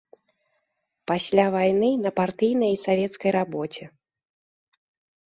Пасля вайны на партыйнай і савецкай рабоце.